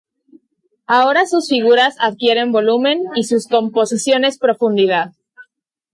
Ahora sus figuras adquieren volumen y sus composiciones profundidad.